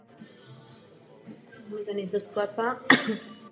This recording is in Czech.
Zabývala se volnou kresbou a malbou.